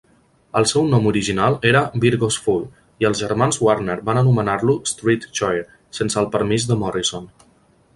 El seu nom original era "Virgo's Fool" i els germans Warner van anomenar-lo "Street Choir" sense el permís de Morrison.